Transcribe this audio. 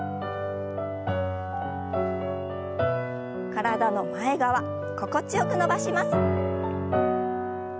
体の前側心地よく伸ばします。